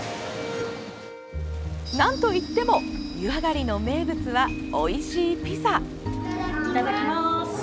なんといっても湯上がりの名物はおいしいピザ。